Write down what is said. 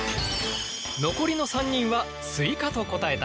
残りの３人は「スイカ」と答えた。